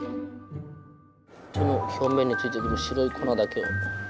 手の表面に付いてくる白い粉だけを。